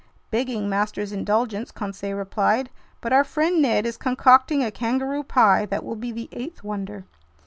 "Begging master's indulgence," Conseil replied, "but our friend Ned is concocting a kangaroo pie that will be the eighth wonder!"